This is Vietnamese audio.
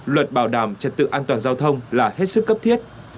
luật bảo đảm trật tự an toàn giao thông là hết sức cấp thiết